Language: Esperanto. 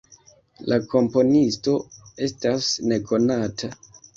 La komponisto estas nekonata.